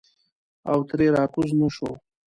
او ترې راکوز نه شو.